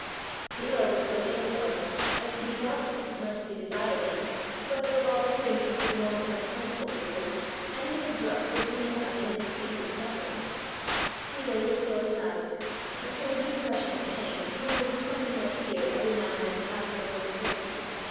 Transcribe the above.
The earl was so ill, however, as to be doubtful, much as he desired them, whether, while rendering him for the moment less sensible to them, any of his drugs would do no other than increase his sufferings. He lay with closed eyes, a strange expression of pain mingled with something like fear every now and then passing over his face.